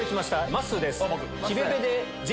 まっすーです。